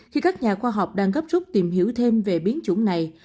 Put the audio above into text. khi các nhà khoa học đang gấp rút tìm hiểu thêm về biến chủng này